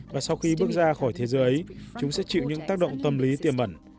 và sau khi bước ra khỏi thế giới ấy chúng sẽ chịu những tác động tâm lý tiềm ẩn